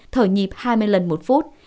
thở nhịp hai mươi lần một phút